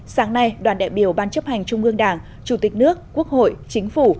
sáng nay đoàn đại biểu ban chấp hành trung ương đảng chủ tịch nước quốc hội chính phủ